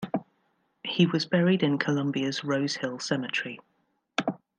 He was buried in Columbia's Rose Hill Cemetery.